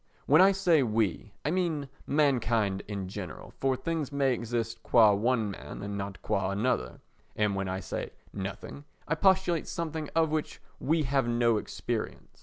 When I say "we," I mean mankind generally, for things may exist qua one man and not qua another. And when I say "nothing" I postulate something of which we have no experience.